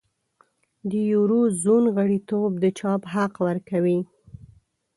د یورو زون غړیتوب د چاپ حق ورکوي.